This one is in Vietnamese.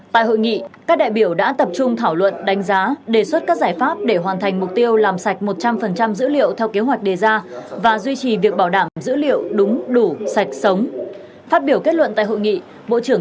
tại hội nghị các đại biểu đã tập trung thảo luận đánh giá đề xuất các giải pháp để hoàn thành mục tiêu làm sạch một trăm linh dữ liệu theo kế hoạch đề ra và duy trì việc bảo đảm dữ liệu đúng đủ sạch sống